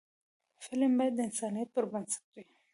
فلم باید د انسانیت پر بنسټ وي